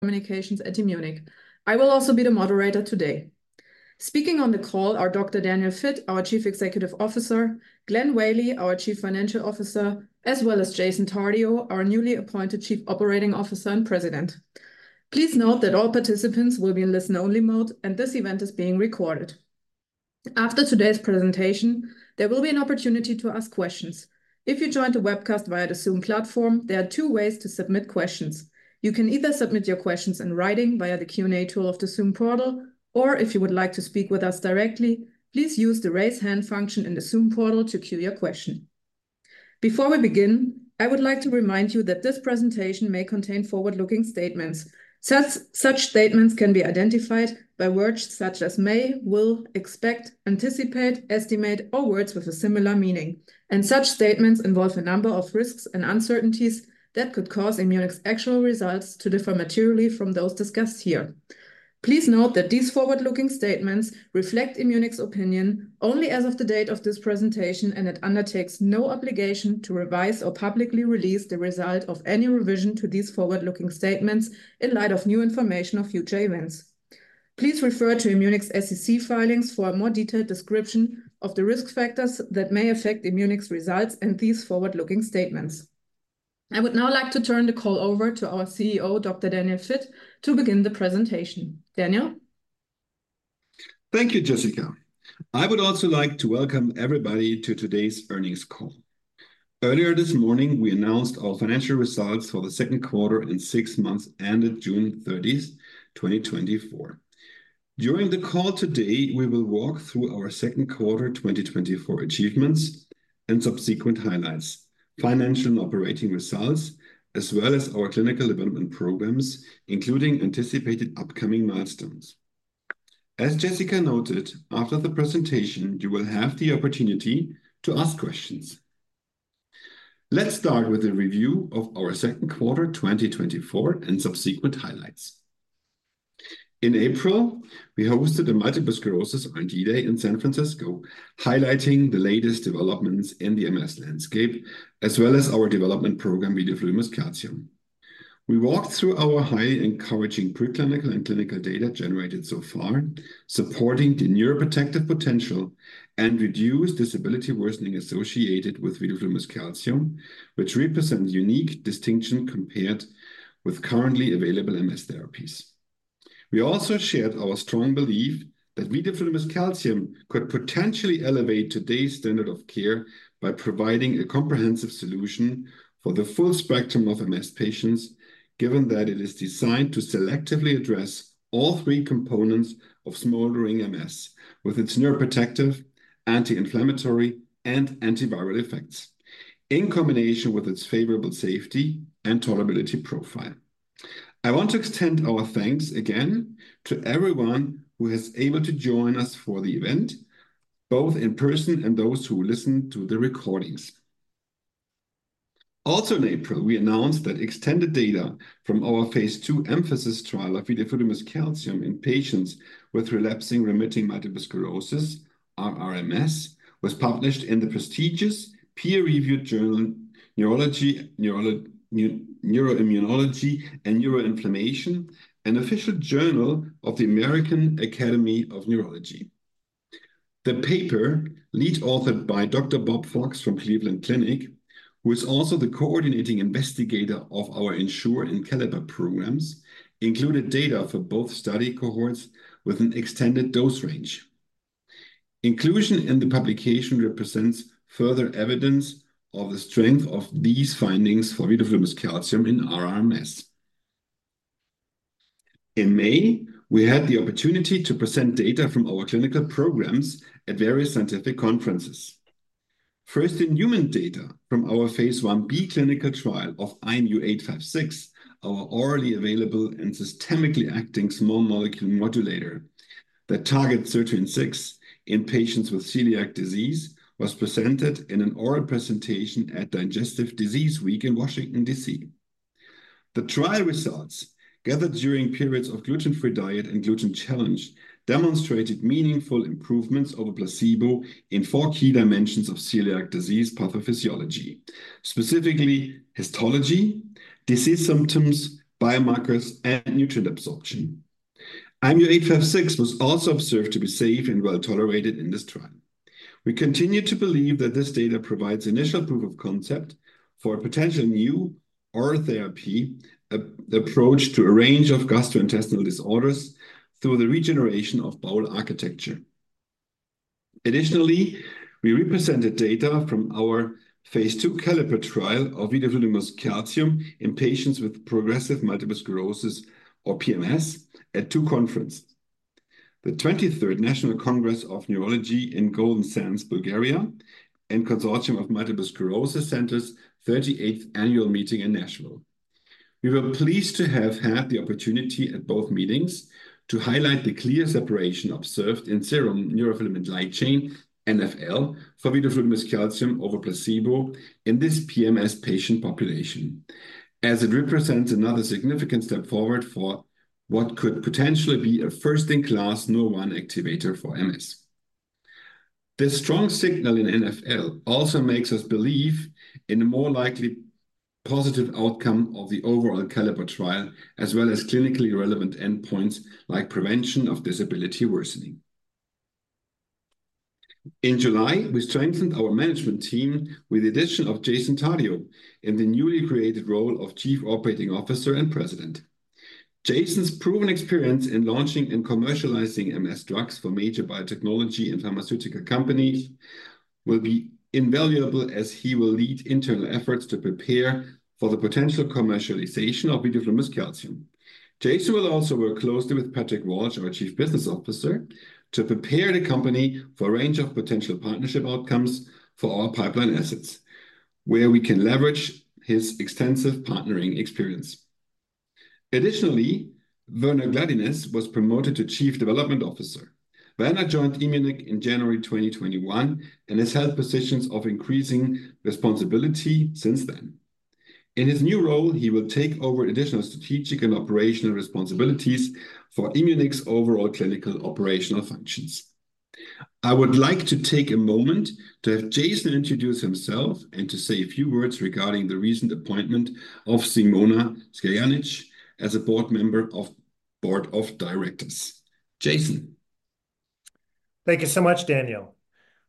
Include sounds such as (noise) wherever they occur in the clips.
communications at Immunic. I will also be the moderator today. Speaking on the call are Dr. Daniel Vitt, our Chief Executive Officer, Glenn Whaley, our Chief Financial Officer, as well as Jason Tardio, our newly appointed Chief Operating Officer and President. Please note that all participants will be in listen-only mode, and this event is being recorded. After today's presentation, there will be an opportunity to ask questions. If you joined the webcast via the Zoom platform, there are two ways to submit questions. You can either submit your questions in writing via the Q&A tool of the Zoom portal, or if you would like to speak with us directly, please use the Raise Hand function in the Zoom portal to queue your question. Before we begin, I would like to remind you that this presentation may contain forward-looking statements. Such statements can be identified by words such as may, will, expect, anticipate, estimate, or words with a similar meaning, and such statements involve a number of risks and uncertainties that could cause Immunic's actual results to differ materially from those discussed here. Please note that these forward-looking statements reflect Immunic's opinion only as of the date of this presentation, and it undertakes no obligation to revise or publicly release the result of any revision to these forward-looking statements in light of new information or future events. Please refer to Immunic's SEC filings for a more detailed description of the risk factors that may affect Immunic's results and these forward-looking statements. I would now like to turn the call over to our CEO, Dr. Daniel Vitt, to begin the presentation. Daniel? Thank you, Jessica. I would also like to welcome everybody to today's earnings call. Earlier this morning, we announced our financial results for the second quarter and six months, ended June 30th, 2024. During the call today, we will walk through our second quarter 2024 achievements and subsequent highlights, financial and operating results, as well as our clinical development programs, including anticipated upcoming milestones. As Jessica noted, after the presentation, you will have the opportunity to ask questions. Let's start with a review of our second quarter 2024, and subsequent highlights. In April, we hosted a multiple sclerosis R&D Day in San Francisco, highlighting the latest developments in the MS landscape, as well as our development program, vidofludimus calcium. We walked through our highly encouraging preclinical and clinical data generated so far, supporting the neuroprotective potential and reduced disability worsening associated with vidofludimus calcium, which represents unique distinction compared with currently available MS therapies. We also shared our strong belief that vidofludimus calcium could potentially elevate today's standard of care by providing a comprehensive solution for the full spectrum of MS patients, given that it is designed to selectively address all three components of smoldering MS, with its neuroprotective, anti-inflammatory, and antiviral effects, in combination with its favorable safety and tolerability profile. I want to extend our thanks again to everyone who was able to join us for the event, both in person and those who listened to the recordings. Also, in April, we announced that extended data from our phase 2 EMPHASIS trial of vidofludimus calcium in patients with relapsing remitting multiple sclerosis, RRMS, was published in the prestigious peer-reviewed journal, Neurology Neuroimmunology and Neuroinflammation, an official journal of the American Academy of Neurology. The paper, lead authored by Dr. Bob Fox from Cleveland Clinic, who is also the coordinating investigator of our ENSURE and CALIPER programs, included data for both study cohorts with an extended dose range. Inclusion in the publication represents further evidence of the strength of these findings for vidofludimus calcium in RRMS. In May, we had the opportunity to present data from our clinical programs at various scientific conferences. First-in-human data from our phase 1b clinical trial of IMU-856, our orally available and systemically acting small molecule modulator that targets SIRT6 in patients with celiac disease, was presented in an oral presentation at Digestive Disease Week in Washington, D.C. The trial results, gathered during periods of gluten-free diet and gluten challenge, demonstrated meaningful improvements over placebo in four key dimensions of celiac disease pathophysiology, specifically histology, disease symptoms, biomarkers, and nutrient absorption. IMU-856 was also observed to be safe and well-tolerated in this trial. We continue to believe that this data provides initial proof of concept for a potential new oral therapy approach to a range of gastrointestinal disorders through the regeneration of bowel architecture. Additionally, we presented data from our phase II CALIPER trial of vidofludimus calcium in patients with progressive multiple sclerosis, or PMS, at two conferences: the 23rd National Congress of Neurology in Golden Sands, Bulgaria, and Consortium of Multiple Sclerosis Centers 38th Annual Meeting in Nashville. We were pleased to have had the opportunity at both meetings to highlight the clear separation observed in serum neurofilament light chain, NfL, for vidofludimus calcium over placebo in this PMS patient population, as it represents another significant step forward for what could potentially be a first-in-class Nurr1 activator for MS. This strong signal in NfL also makes us believe in a more likely positive outcome of the overall CALIPER trial, as well as clinically relevant endpoints, like prevention of disability worsening. In July, we strengthened our management team with the addition of Jason Tardio in the newly created role of Chief Operating Officer and President. Jason's proven experience in launching and commercializing MS drugs for major biotechnology and pharmaceutical companies will be invaluable, as he will lead internal efforts to prepare for the potential commercialization of vidofludimus calcium. Jason will also work closely with Patrick Walsh, our Chief Business Officer, to prepare the company for a range of potential partnership outcomes for our pipeline assets, where we can leverage his extensive partnering experience. Additionally, Werner Gladdines was promoted to Chief Development Officer. Werner joined Immunic in January 2021, and has held positions of increasing responsibility since then. In his new role, he will take over additional strategic and operational responsibilities for Immunic's overall clinical operational functions. I would like to take a moment to have Jason introduce himself, and to say a few words regarding the recent appointment of Simona Skerjanec as a board member of board of directors, Jason? Thank you so much, Daniel.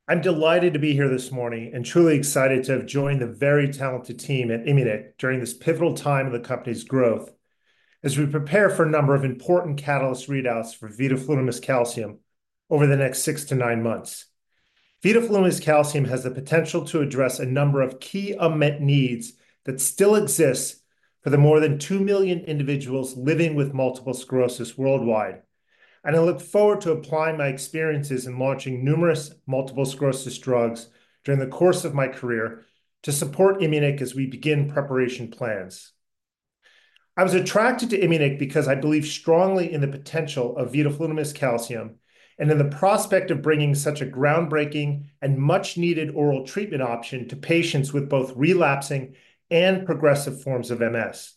I'm delighted to be here this morning, and truly excited to have joined the very talented team at Immunic during this pivotal time of the company's growth, as we prepare for a number of important catalyst readouts for vidofludimus calcium over the next six-nine months. Vidofludimus calcium has the potential to address a number of key unmet needs that still exist for the more than two million individuals living with multiple sclerosis worldwide, and I look forward to applying my experiences in launching numerous multiple sclerosis drugs during the course of my career to support Immunic as we begin preparation plans. I was attracted to Immunic because I believe strongly in the potential of vidofludimus calcium, and in the prospect of bringing such a groundbreaking and much-needed oral treatment option to patients with both relapsing and progressive forms of MS.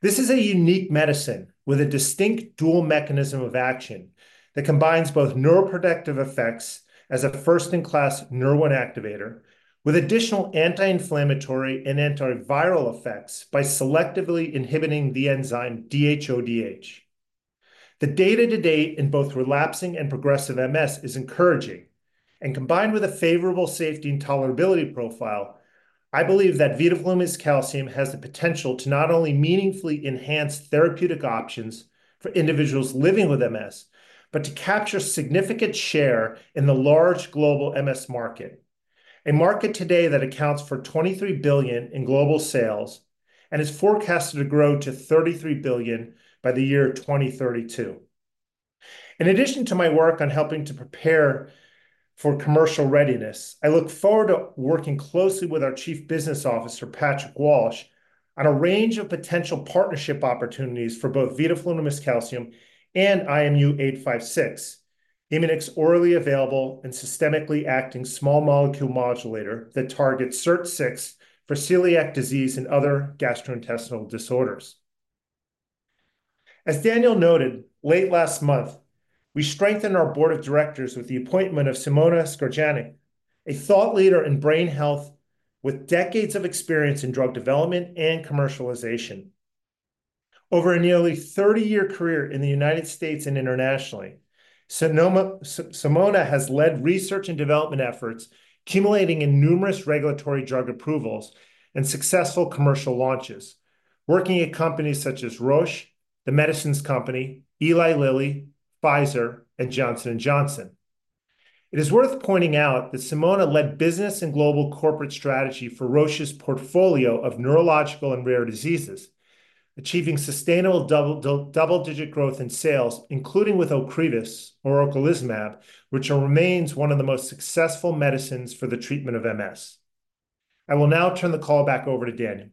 This is a unique medicine with a distinct dual mechanism of action that combines both neuroprotective effects as a first-in-class Nurr1 activator, with additional anti-inflammatory and antiviral effects by selectively inhibiting the enzyme DHODH. The data to date in both relapsing and progressive MS is encouraging, and combined with a favorable safety and tolerability profile, I believe that vidofludimus calcium has the potential to not only meaningfully enhance therapeutic options for individuals living with MS, but to capture significant share in the large global MS market, a market today that accounts for $23 billion in global sales, and is forecasted to grow to $33 billion by the year 2032. In addition to my work on helping to prepare for commercial readiness, I look forward to working closely with our Chief Business Officer, Patrick Walsh, on a range of potential partnership opportunities for both vidofludimus calcium and IMU-856, Immunic's orally available and systemically acting small molecule modulator that targets SIRT6 for celiac disease and other gastrointestinal disorders. As Daniel noted, late last month, we strengthened our board of directors with the appointment of Simona Skerjanec, a thought leader in brain health with decades of experience in drug development and commercialization. Over a nearly 30-year career in the United States and internationally, Simona has led research and development efforts, accumulating in numerous regulatory drug approvals and successful commercial launches, working at companies such as Roche, The Medicines Company, Eli Lilly, Pfizer, and Johnson & Johnson. It is worth pointing out that Simona led business and global corporate strategy for Roche's portfolio of neurological and rare diseases, achieving sustainable double-digit growth in sales, including with Ocrevus, or ocrelizumab, which remains one of the most successful medicines for the treatment of MS. I will now turn the call back over to Daniel.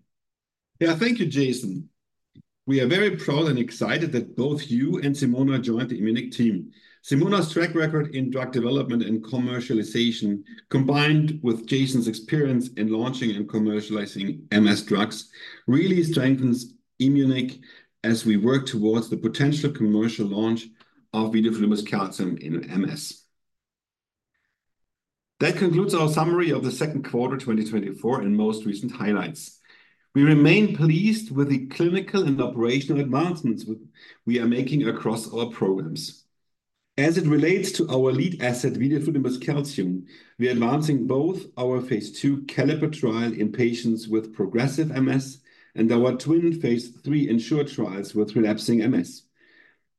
Yeah, thank you, Jason. We are very proud and excited that both you and Simona joined the Immunic team. Simona's track record in drug development and commercialization, combined with Jason's experience in launching and commercializing MS drugs, really strengthens Immunic as we work towards the potential commercial launch of vidofludimus calcium in MS. That concludes our summary of the second quarter 2024, and most recent highlights. We remain pleased with the clinical and operational advancements we are making across our programs. As it relates to our lead asset, vidofludimus calcium, we are advancing both our phase 2 CALIPER trial in patients with progressive MS, and our twin phase 3 ENSURE trials with relapsing MS.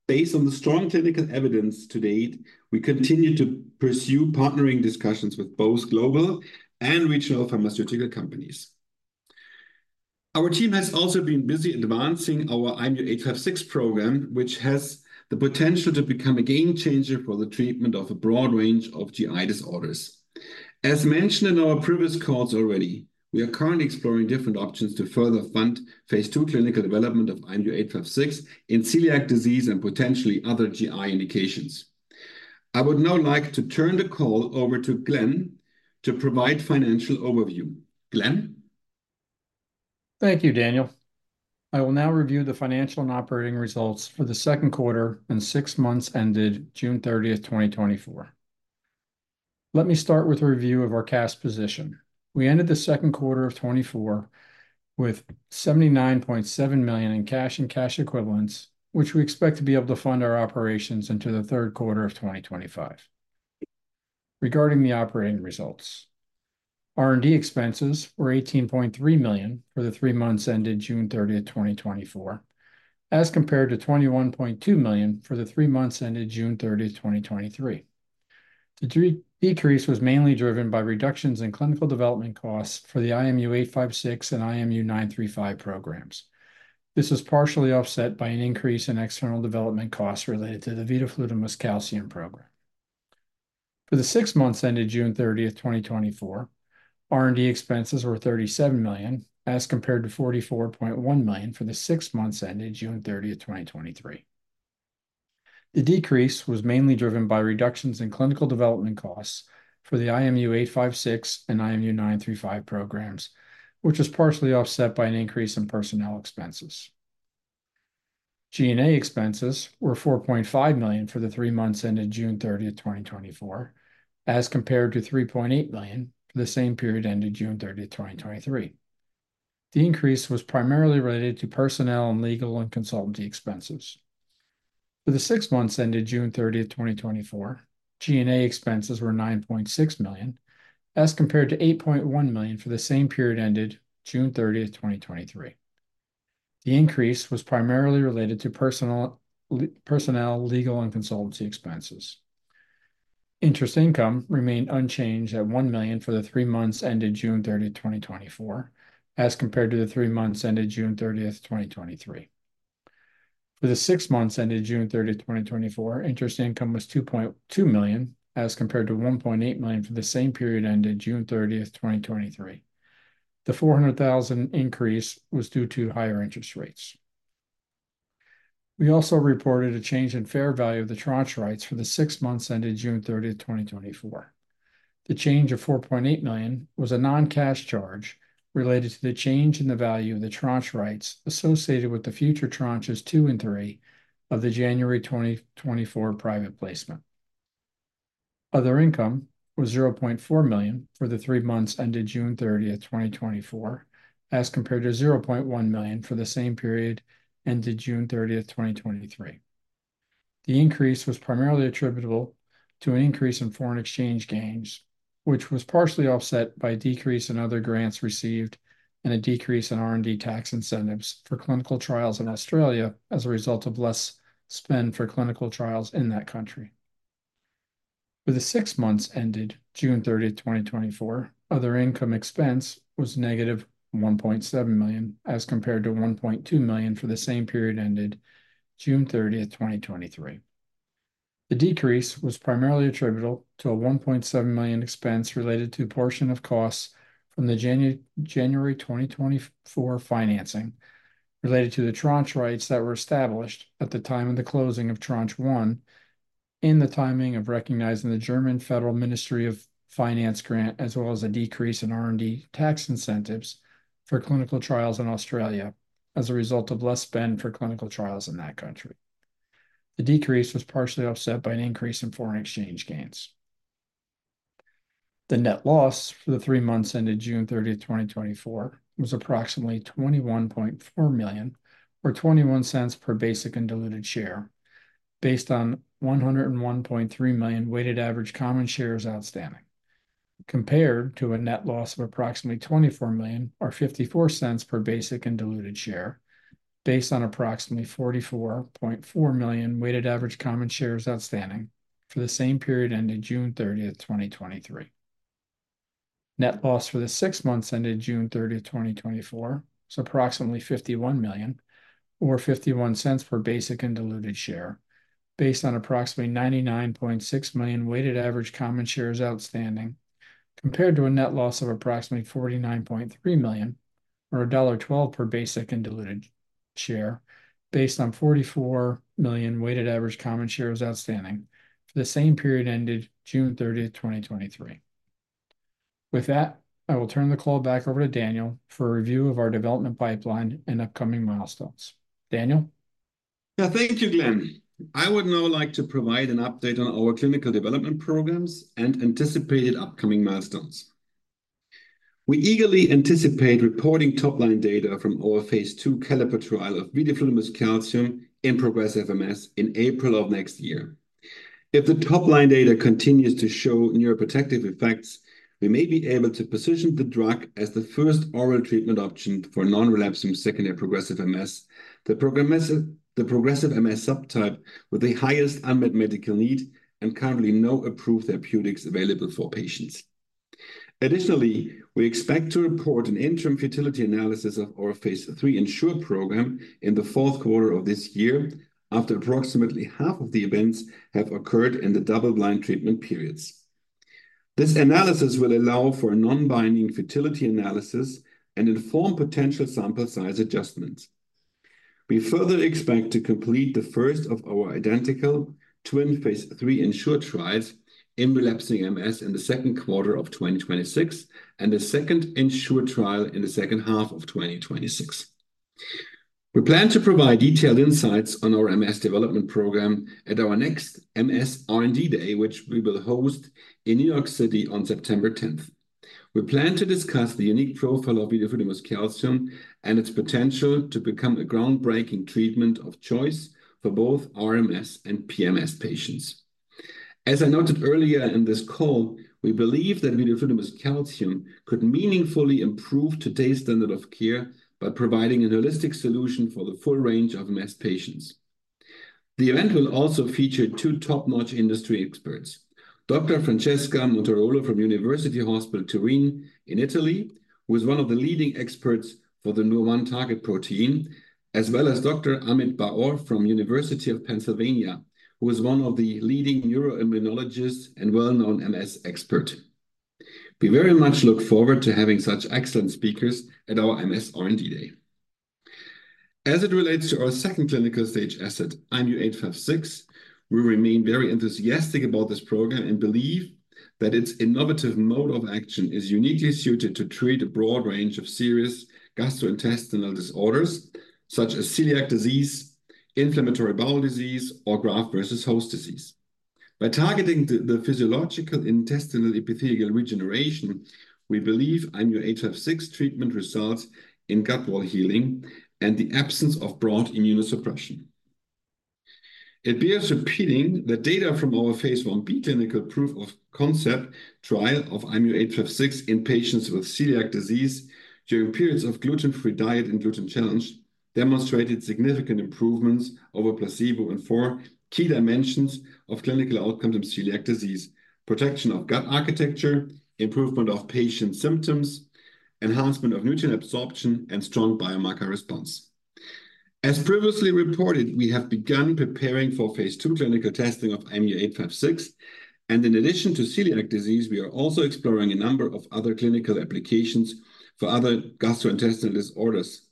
Based on the strong clinical evidence to date, we continue to pursue partnering discussions with both global and regional pharmaceutical companies. Our team has also been busy advancing our IMU-856 program, which has the potential to become a game changer for the treatment of a broad range of GI disorders. As mentioned in our previous calls already, we are currently exploring different options to further fund phase II clinical development of IMU-856 in celiac disease, and potentially other GI indications. I would now like to turn the call over to Glenn to provide financial overview. Glenn? ... Thank you, Daniel. I will now review the financial and operating results for the second quarter and six months ended June 30, 2024. Let me start with a review of our cash position. We ended the second quarter of 2024 with $79.7 million in cash and cash equivalents, which we expect to be able to fund our operations into the third quarter of 2025. Regarding the operating results, R&D expenses were $18.3 million for the three months ended June 30, 2024, as compared to $21.2 million for the three months ended June 30, 2023. The decrease was mainly driven by reductions in clinical development costs for the IMU-856 and IMU-935 programs. This is partially offset by an increase in external development costs related to the vidofludimus calcium program. For the six months ended June 30, 2024, R&D expenses were $37 million, as compared to $44.1 million for the six months ended June 30, 2023. The decrease was mainly driven by reductions in clinical development costs for the IMU-856 and IMU-935 programs, which was partially offset by an increase in personnel expenses. G&A expenses were $4.5 million for the three months ended June 30, 2024, as compared to $3.8 million for the same period ended June 30, 2023. The increase was primarily related to personnel and legal and consultancy expenses. For the six months ended June 30, 2024, G&A expenses were $9.6 million, as compared to $8.1 million for the same period ended June 30, 2023. The increase was primarily related to personnel, legal, and consultancy expenses. Interest income remained unchanged at $1 million for the three months ended June 30, 2024, as compared to the three months ended June 30, 2023. For the six months ended June 30, 2024, interest income was $2.2 million, as compared to $1.8 million for the same period ended June 30, 2023. The $400,000 increase was due to higher interest rates. We also reported a change in fair value of the tranche rights for the six months ended June 30, 2024. The change of $4.8 million was a non-cash charge related to the change in the value of the tranche rights associated with the future tranches 2 and 3 of the January 2024 private placement. Other income was $0.4 million for the three months ended June 30th, 2024, as compared to $0.1 million for the same period ended June 30th, 2023. The increase was primarily attributable to an increase in foreign exchange gains, which was partially offset by a decrease in other grants received and a decrease in R&D tax incentives for clinical trials in Australia as a result of less spend for clinical trials in that country. For the six months ended June 30th, 2024, other income expense was -$1.7 million, as compared to $1.2 million for the same period ended June 30th, 2023. The decrease was primarily attributable to a $1.7 million expense related to a portion of costs from the January 2024 financing related to the tranche rights that were established at the time of the closing of Tranche One in the timing of recognizing the German Federal Ministry of Finance grant, as well as a decrease in R&D tax incentives for clinical trials in Australia as a result of less spend for clinical trials in that country. The decrease was partially offset by an increase in foreign exchange gains. The net loss for the three months ended June 30, 2024, was approximately $21.4 million, or $0.21 per basic and diluted share, based on 101.3 million weighted average common shares outstanding, compared to a net loss of approximately $24 million, or $0.54 per basic and diluted share, based on approximately 44.4 million weighted average common shares outstanding for the same period ended June 30, 2023. Net loss for the six months ended June 30, 2024, is approximately $51 million, or $0.51 per basic and diluted share, based on approximately 99.6 million weighted average common shares outstanding, compared to a net loss of approximately $49.3 million, or $1.12 per basic and diluted share, based on 44 million weighted average common shares outstanding for the same period ended June 30, 2023. With that, I will turn the call back over to Daniel for a review of our development pipeline and upcoming milestones. Daniel? Yeah, thank you, Glenn. I would now like to provide an update on our clinical development programs and anticipated upcoming milestones. We eagerly anticipate reporting top-line data from our Phase II CALIPER trial of vidofludimus calcium in progressive MS in April of next year. If the top-line data continues to show neuroprotective effects, we may be able to position the drug as the first oral treatment option for non-relapsing secondary progressive MS, the progressive MS subtype with the highest unmet medical need and currently no approved therapeutics available for patients. Additionally, we expect to report an interim futility analysis of our phase III ENSURE program in the fourth quarter of this year, after approximately half of the events have occurred in the double-blind treatment periods. This analysis will allow for a non-binding futility analysis and inform potential sample size adjustments. We further expect to complete the first of our identical twin phase III ENSURE trials in relapsing MS in the second quarter of 2026, and the second ENSURE trial in the second half of 2026. We plan to provide detailed insights on our MS development program at our next MS R&D Day, which we will host in New York City on September 10th. We plan to discuss the unique profile of vidofludimus calcium and its potential to become a groundbreaking treatment of choice for both RMS and PMS patients. As I noted earlier in this call, we believe that vidofludimus calcium could meaningfully improve today's standard of care by providing a holistic solution for the full range of MS patients. The event will also feature two top-notch industry experts: Dr. Francesca Montarolo from University Hospital Turin in Italy, who is one of the leading experts for the Nurr1 target protein, as well as Dr. Amit Bar-Or from University of Pennsylvania, who is one of the leading neuroimmunologists and well-known MS expert. We very much look forward to having such excellent speakers at our MS R&D Day. As it relates to our second clinical stage asset, IMU-856, we remain very enthusiastic about this program and believe that its innovative mode of action is uniquely suited to treat a broad range of serious gastrointestinal disorders, such as celiac disease, inflammatory bowel disease, or graft versus host disease. By targeting the physiological intestinal epithelial regeneration, we believe IMU-856 treatment results in gut wall healing and the absence of broad immunosuppression. It bears repeating that data from our phase Ib clinical proof of concept trial of IMU-856 in patients with celiac disease during periods of gluten-free diet and gluten challenge demonstrated significant improvements over placebo in four key dimensions of clinical outcomes in celiac disease: protection of gut architecture, improvement of patient symptoms, enhancement of nutrient absorption, and strong biomarker response. As previously reported, we have begun preparing for phase II clinical testing of IMU-856, and in addition to celiac disease, we are also exploring a number of other clinical applications for other gastrointestinal disorders,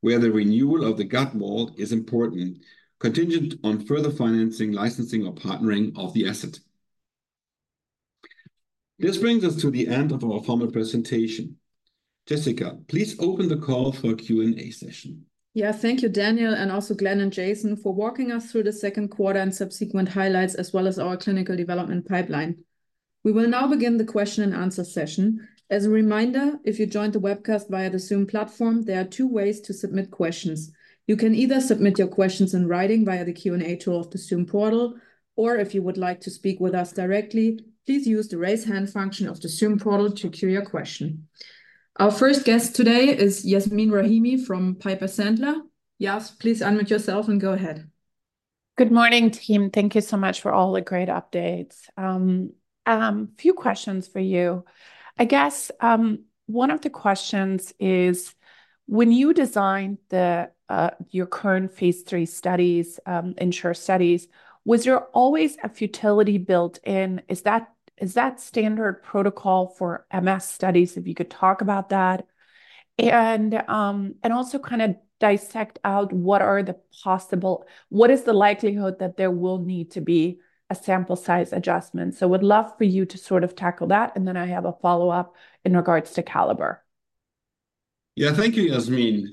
where the renewal of the gut wall is important, contingent on further financing, licensing, or partnering of the asset. This brings us to the end of our formal presentation. Jessica, please open the call for a Q&A session. Yeah, thank you, Daniel, and also Glenn and Jason, for walking us through the second quarter and subsequent highlights, as well as our clinical development pipeline. We will now begin the question and answer session. As a reminder, if you joined the webcast via the Zoom platform, there are two ways to submit questions. You can either submit your questions in writing via the Q&A tool of the Zoom portal, or if you would like to speak with us directly, please use the Raise Hand function of the Zoom portal to queue your question. Our first guest today is Yasmeen Rahimi from Piper Sandler. Yas, please unmute yourself and go ahead. Good morning, team. Thank you so much for all the great updates. A few questions for you. I guess, one of the questions is, when you designed the, your current phase III studies, ENSURE studies, was there always a futility built in? Is that, is that standard protocol for MS studies? If you could talk about that. And, and also kind of dissect out what are the possible-- what is the likelihood that there will need to be a sample size adjustment? So would love for you to sort of tackle that, and then I have a follow-up in regards to CALIPER. Yeah. Thank you, Yasmeen.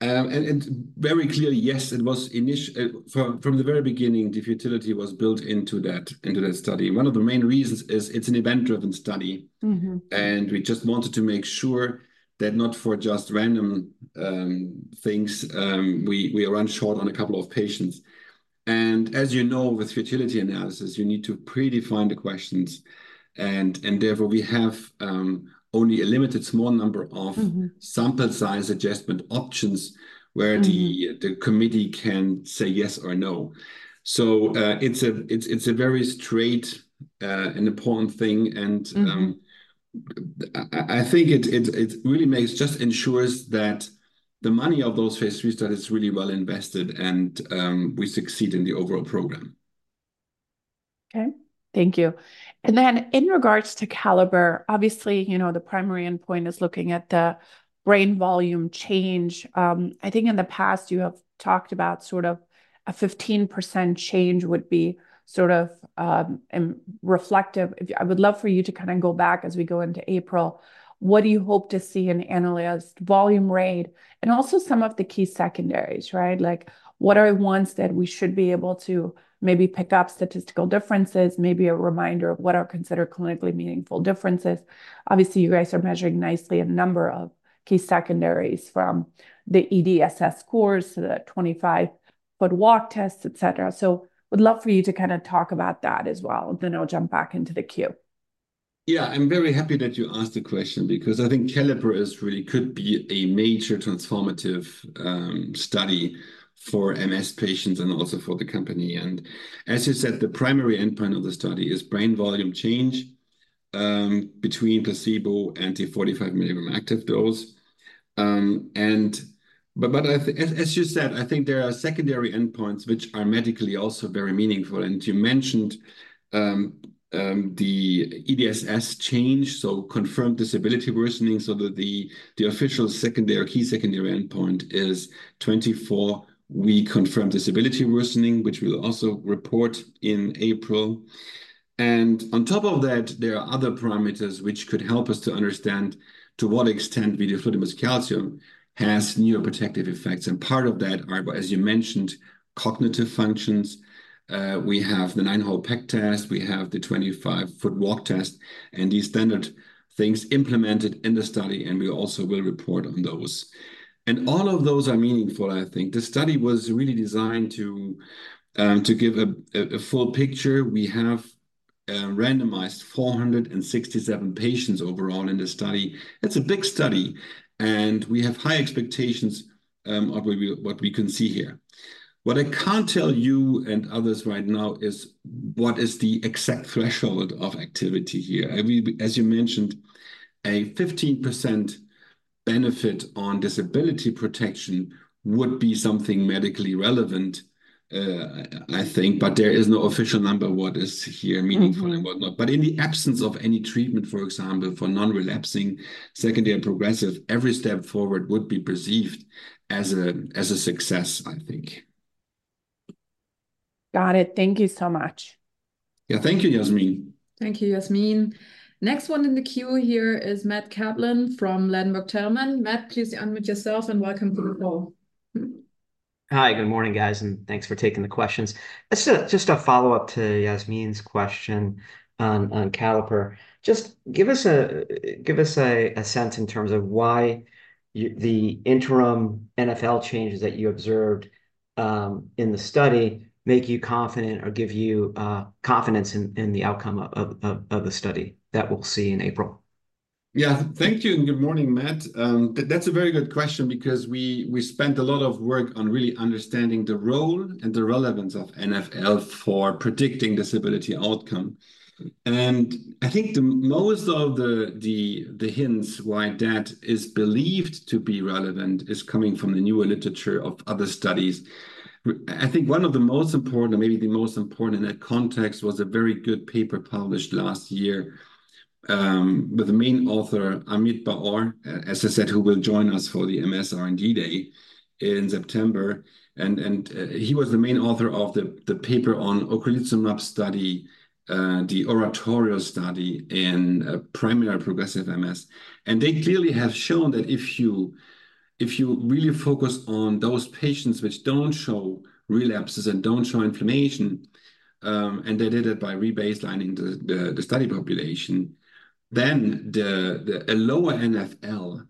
And very clearly, yes, it was from the very beginning, the futility was built into that study. One of the main reasons is it's an event-driven study- Mm-hmm. and we just wanted to make sure that not for just random things, we run short on a couple of patients. And as you know, with futility analysis, you need to predefine the questions, and therefore, we have only a limited small number of- Mm-hmm... sample size adjustment options, where- Mm... the committee can say yes or no. So, it's a very straight and important thing, and Mm-hmm... I think it really makes just ensures that the money of those phase III studies is really well invested, and we succeed in the overall program. Okay. Thank you. And then in regards to CALIPER, obviously, you know, the primary endpoint is looking at the brain volume change. I think in the past you have talked about sort of a 15% change would be sort of reflective. I would love for you to kind of go back as we go into April, what do you hope to see in analyzed volume rate? And also, some of the key secondaries, right? Like, what are ones that we should be able to maybe pick up statistical differences, maybe a reminder of what are considered clinically meaningful differences? Obviously, you guys are measuring nicely a number of key secondaries from the EDSS scores to the 25-foot walk tests, et cetera. So would love for you to kind of talk about that as well, and then I'll jump back into the queue. Yeah, I'm very happy that you asked the question because I think CALIPER is really could be a major transformative study for MS patients and also for the company. And as you said, the primary endpoint of the study is brain volume change between placebo and the 45 milligram active dose. But as you said, I think there are secondary endpoints, which are medically also very meaningful. And you mentioned the EDSS change, so confirmed disability worsening so that the official secondary, key secondary endpoint is 24-week confirmed disability worsening, which we'll also report in April. And on top of that, there are other parameters which could help us to understand to what extent vidofludimus calcium has neuroprotective effects, and part of that are, as you mentioned, cognitive functions. We have the nine-hole peg test, we have the 25-foot walk test, and these standard things implemented in the study, and we also will report on those. All of those are meaningful, I think. The study was really designed to give a full picture. We have randomized 467 patients overall in the study. It's a big study, and we have high expectations of what we can see here. What I can't tell you and others right now is what is the exact threshold of activity here? I mean, as you mentioned, a 15% benefit on disability protection would be something medically relevant, I think, but there is no official number what is here meaningful- Mm-hmm... and what not. But in the absence of any treatment, for example, for non-relapsing secondary progressive, every step forward would be perceived as a, as a success, I think. Got it. Thank you so much. Yeah, thank you, Yasmeen. Thank you, Yasmeen. Next one in the queue here is Matt Kaplan from Ladenburg Thalmann. Matt, please unmute yourself, and welcome to the call. Hi, good morning, guys, and thanks for taking the questions. This is just a follow-up to Yasmin's question on CALIPER. Just give us a sense in terms of why the interim NfL changes that you observed in the study make you confident or give you confidence in the outcome of the study that we'll see in April? Yeah, thank you, and good morning, Matt. That's a very good question because we, we spent a lot of work on really understanding the role and the relevance of NfL for predicting disability outcome. And I think the most of the, the, the hints why that is believed to be relevant is coming from the newer literature of other studies. I think one of the most important, or maybe the most important in that context, was a very good paper published last year, with the main author, Amit Bar-Or, as I said, who will join us for the MS R&D Day in September, and he was the main author of the paper on ocrelizumab study, the ORATORIO study in primary progressive MS. And they clearly have shown that if you really focus on those patients which don't show relapses and don't show inflammation, and they did it by rebaselining the study population, then a lower NfL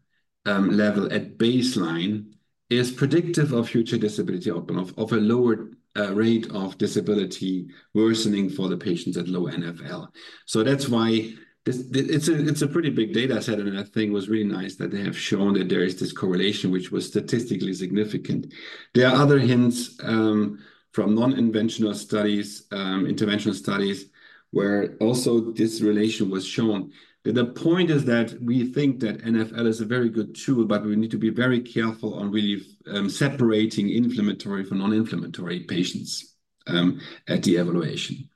level at baseline is predictive of future disability outcome, of a lower rate of disability worsening for the patients at low NfL. So that's why. It's a pretty big data set, and I think it was really nice that they have shown that there is this correlation, which was statistically significant. There are other hints from non-interventional studies, interventional studies, where also this relation was shown. But the point is that we think that NfL is a very good tool, but we need to be very careful on really separating inflammatory from non-inflammatory patients at the evaluation.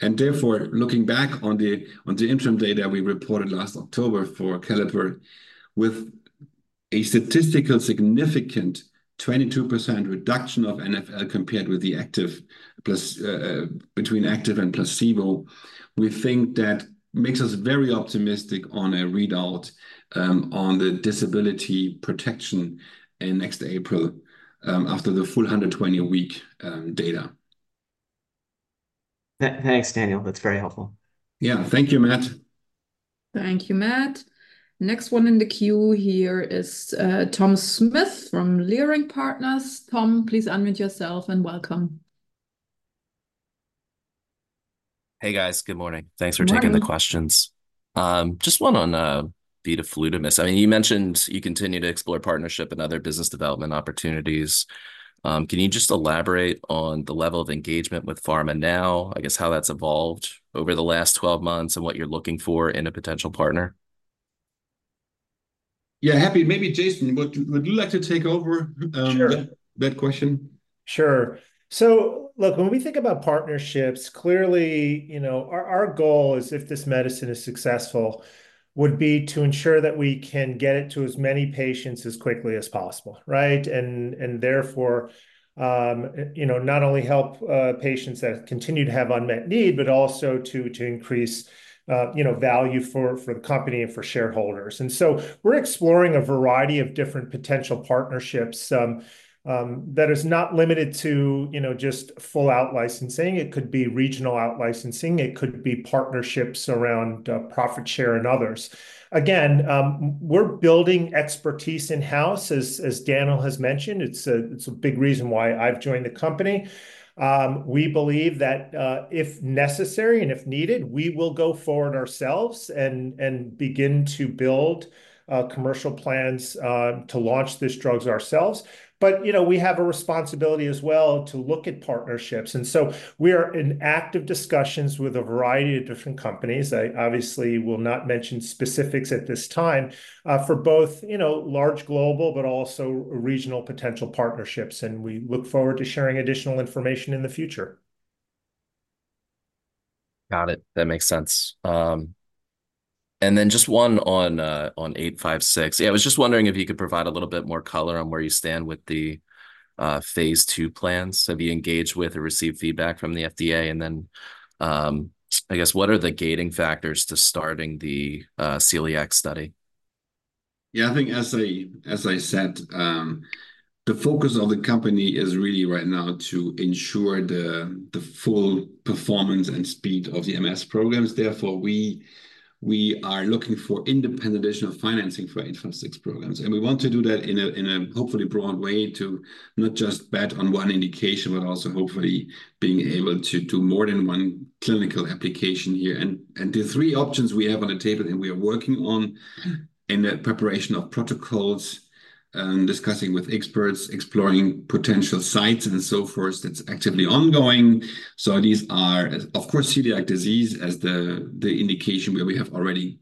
Therefore, looking back on the interim data we reported last October for CALIPER, with a statistically significant 22% reduction of NFL compared with the active plus between active and placebo, we think that makes us very optimistic on a readout on the disability protection in next April after the full 120-week data. Thanks, Daniel. That's very helpful. Yeah. Thank you, Matt. Thank you, Matt. Next one in the queue here is Tom Smith from Leerink Partners. Tom, please unmute yourself, and welcome. Hey, guys. Good morning. Good morning. Thanks for taking the questions. Just one on vidofludimus. I mean, you mentioned you continue to explore partnership and other business development opportunities. Can you just elaborate on the level of engagement with pharma now, I guess how that's evolved over the last 12 months, and what you're looking for in a potential partner? Yeah, happy... Maybe Jason, would you like to take over? Sure... that question? Sure. So look, when we think about partnerships, clearly, you know, our goal is, if this medicine is successful, would be to ensure that we can get it to as many patients as quickly as possible, right? And therefore, you know, not only help patients that continue to have unmet need, but also to increase you know, value for the company and for shareholders. And so we're exploring a variety of different potential partnerships that is not limited to, you know, just full out-licensing. It could be regional out-licensing. It could be partnerships around profit share and others. Again, we're building expertise in-house, as Daniel has mentioned. It's a big reason why I've joined the company. We believe that if necessary and if needed, we will go forward ourselves and begin to build commercial plans to launch these drugs ourselves. But, you know, we have a responsibility as well to look at partnerships, and so we are in active discussions with a variety of different companies. I obviously will not mention specifics at this time for both, you know, large global, but also regional potential partnerships, and we look forward to sharing additional information in the future.... Got it. That makes sense. And then just one on, on eight five six. Yeah, I was just wondering if you could provide a little bit more color on where you stand with the, phase two plans. Have you engaged with or received feedback from the FDA? And then, I guess what are the gating factors to starting the, celiac study? Yeah, I think as I, as I said, the focus of the company is really right now to ensure the full performance and speed of the MS programs. Therefore, we are looking for independent additional financing for 856 programs, and we want to do that in a hopefully broad way to not just bet on one indication, but also hopefully being able to do more than one clinical application here. And the three options we have on the table, and we are working on in the preparation of protocols, discussing with experts, exploring potential sites and so forth, that's actively ongoing. So these are, of course, celiac disease as the indication where we have already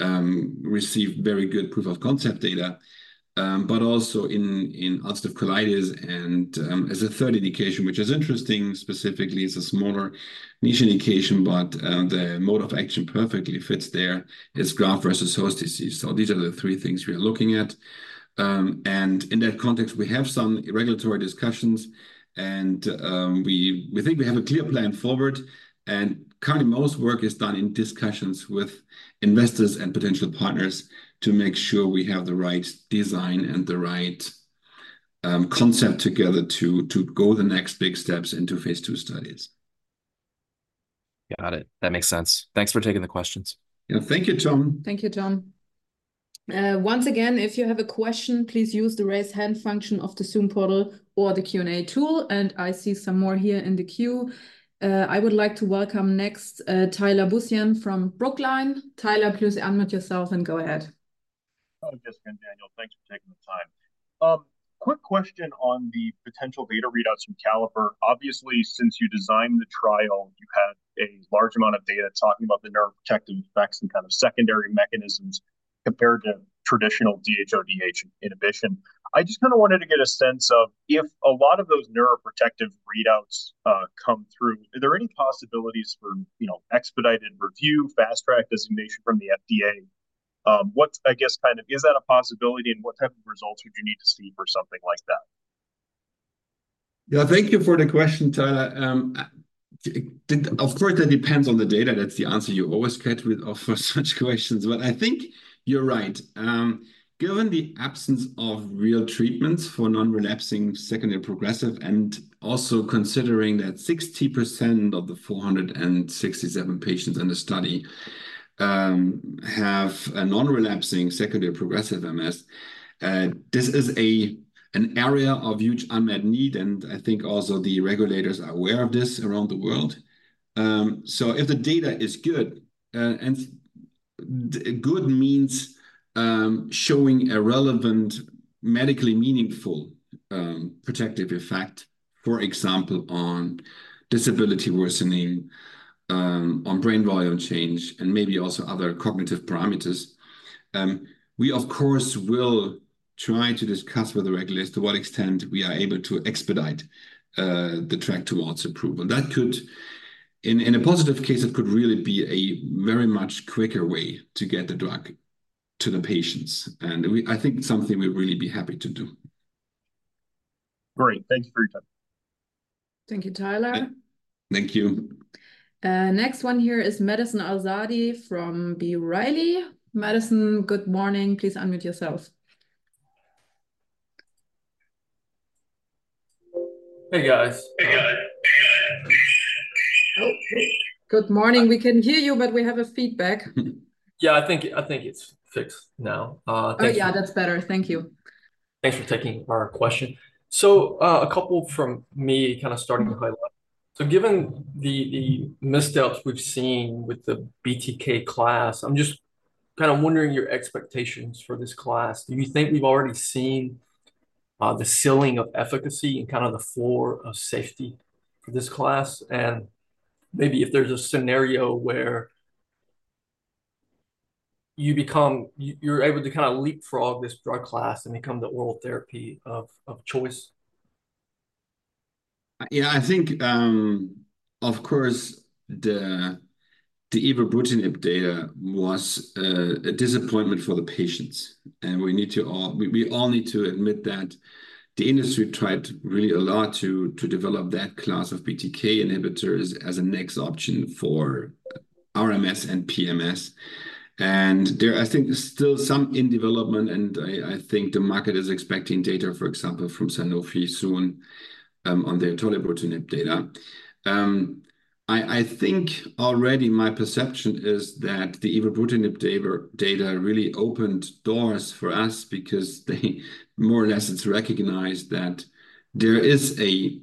received very good proof of concept data, but also in ulcerative colitis and as a third indication, which is interesting. Specifically, it's a smaller niche indication, but the mode of action perfectly fits there: graft versus host disease. So these are the three things we are looking at. In that context, we have some regulatory discussions, and we think we have a clear plan forward. Currently, most work is done in discussions with investors and potential partners to make sure we have the right design and the right concept together to go the next big steps into phase II studies. Got it. That makes sense. Thanks for taking the questions. Yeah, thank you, Tom. Thank you, Tom. Once again, if you have a question, please use the raise hand function of the Zoom portal or the Q&A tool, and I see some more here in the queue. I would like to welcome next, Tyler Bussian from Brookline. Tyler, please unmute yourself and go ahead. Hi, Jessica and Daniel. Thanks for taking the time. Quick question on the potential data readouts from CALIPER. Obviously, since you designed the trial, you had a large amount of data talking about the neuroprotective effects and kind of secondary mechanisms compared to traditional DHODH inhibition. I just kind of wanted to get a sense of if a lot of those neuroprotective readouts come through, are there any possibilities for, you know, expedited review, fast track designation from the FDA? What, I guess, kind of is that a possibility, and what type of results would you need to see for something like that? Yeah, thank you for the question, Tyler. Of course, that depends on the data. That's the answer you always get with, for such questions, but I think you're right. Given the absence of real treatments for non-relapsing secondary progressive, and also considering that 60% of the 467 patients in the study have a non-relapsing secondary progressive MS, this is an area of huge unmet need, and I think also the regulators are aware of this around the world. So if the data is good, and good means showing a relevant, medically meaningful protective effect, for example, on disability worsening, on brain volume change, and maybe also other cognitive parameters, we of course will try to discuss with the regulators to what extent we are able to expedite the track towards approval. That could... In a positive case, it could really be a very much quicker way to get the drug to the patients, and I think it's something we'd really be happy to do. Great. Thank you for your time. Thank you, Tyler. Thank you. Next one here is Madison El Saadi from B. Riley. Madison, good morning. Please unmute yourself. Hey, guys. (audio distortion) Oh, good morning. We can hear you, but we have a feedback. Yeah, I think, I think it's fixed now. Thanks- Oh, yeah, that's better. Thank you. Thanks for taking our question. So, a couple from me, kind of starting with my left. So given the missteps we've seen with the BTK class, I'm just kind of wondering your expectations for this class. Do you think we've already seen the ceiling of efficacy and kind of the floor of safety for this class? And maybe if there's a scenario where you become... you're able to kind of leapfrog this drug class and become the oral therapy of choice. Yeah, I think, of course, the ibrutinib data was a disappointment for the patients, and we all need to admit that the industry tried really a lot to develop that class of BTK inhibitors as a next option for RMS and PMS. And there, I think there's still some in development, and I think the market is expecting data, for example, from Sanofi soon, on their tolebrutinib data. I think already my perception is that the ibrutinib data really opened doors for us because they more or less, it's recognized that there is a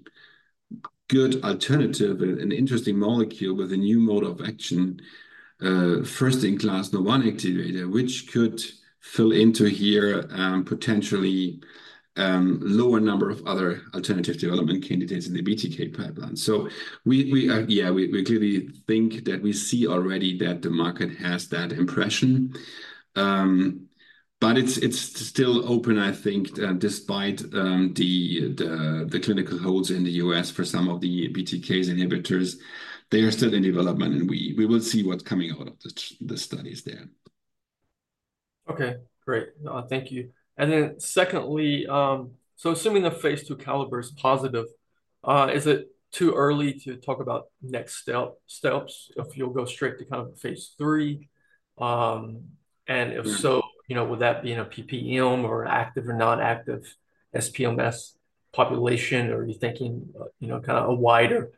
good alternative and an interesting molecule with a new mode of action, first-in-class Nurr1 activator, which could fill into here, potentially, lower number of other alternative development candidates in the BTK pipeline. So yeah, we clearly think that we see already that the market has that impression. But it's still open, I think, despite the clinical holds in the U.S. for some of the BTK inhibitors, they are still in development, and we will see what's coming out of the studies there.... Okay, great. Thank you. And then secondly, so assuming the Phase II CALIPER is positive, is it too early to talk about next steps, if you'll go straight to kind of Phase III? And if so, you know, would that be in a PPMS or active or non-active SPMS population, or are you thinking, you know, kind of a wider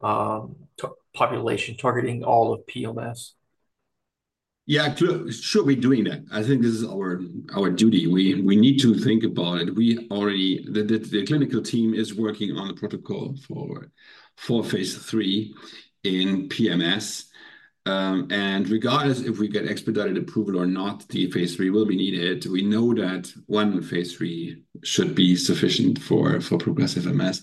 population, targeting all of PMS? Yeah, sure we're doing that. I think this is our duty. We need to think about it. We already. The clinical team is working on a protocol for phase III in PMS. And regardless if we get expedited approval or not, the phase III will be needed. We know that one phase III should be sufficient for progressive MS.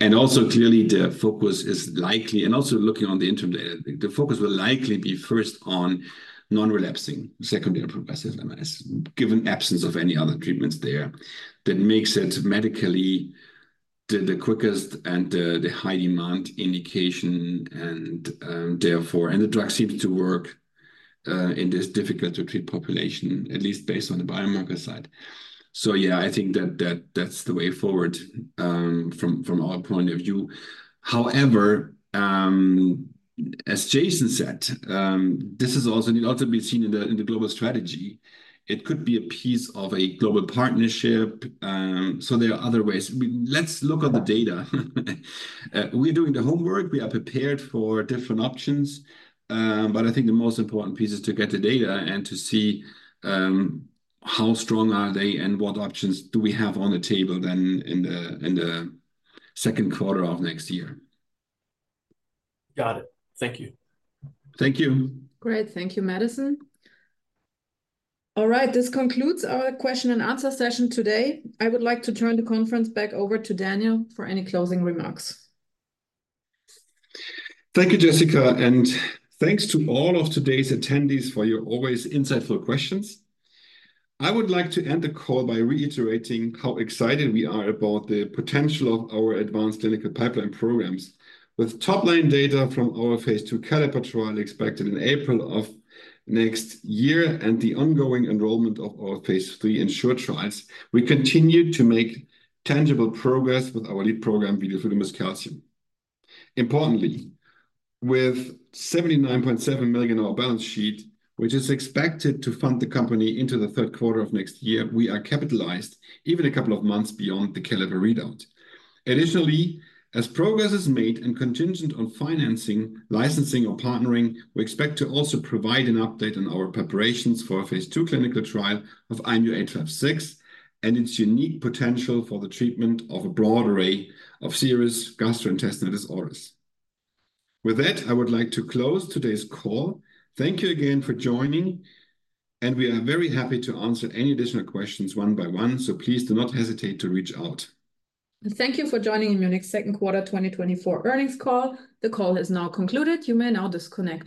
And also, clearly the focus is likely, and also looking on the interim data, the focus will likely be first on non-relapsing secondary progressive MS, given absence of any other treatments there. That makes it medically the quickest and the high-demand indication, and therefore. And the drug seems to work in this difficult-to-treat population, at least based on the biomarker side. So yeah, I think that's the way forward from our point of view. However, as Jason said, this is also need also be seen in the, in the global strategy. It could be a piece of a global partnership. So there are other ways. Let's look at the data. We're doing the homework, we are prepared for different options, but I think the most important piece is to get the data and to see, how strong are they and what options do we have on the table then in the, in the second quarter of next year. Got it. Thank you. Thank you. Great. Thank you, Madison. All right, this concludes our question and answer session today. I would like to turn the conference back over to Daniel for any closing remarks. Thank you, Jessica, and thanks to all of today's attendees for your always insightful questions. I would like to end the call by reiterating how excited we are about the potential of our advanced clinical pipeline programs. With top-line data from our phase II CALIPER trial expected in April of next year, and the ongoing enrollment of our phase III ENSURE trials, we continue to make tangible progress with our lead program, vidofludimus calcium. Importantly, with $79.7 million balance sheet, which is expected to fund the company into the third quarter of next year, we are capitalized even a couple of months beyond the CALIPER readout. Additionally, as progress is made and contingent on financing, licensing, or partnering, we expect to also provide an update on our preparations for a phase II clinical trial of IMU-856, and its unique potential for the treatment of a broad array of serious gastrointestinal disorders. With that, I would like to close today's call. Thank you again for joining, and we are very happy to answer any additional questions one by one, so please do not hesitate to reach out. Thank you for joining Immunic second quarter 2024 earnings call. The call has now concluded. You may now disconnect.